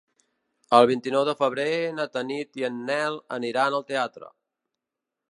El vint-i-nou de febrer na Tanit i en Nel aniran al teatre.